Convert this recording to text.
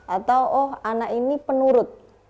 atau oh anak ini penurut